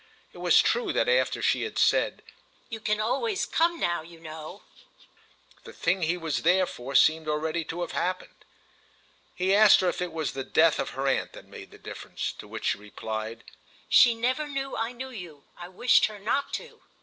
It was true that after she had said "You can always come now, you know," the thing he was there for seemed already to have happened. He asked her if it was the death of her aunt that made the difference; to which she replied: "She never knew I knew you. I wished her not to."